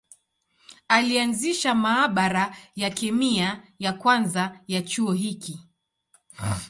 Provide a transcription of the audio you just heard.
Alianzisha maabara ya kemia ya kwanza ya chuo hiki.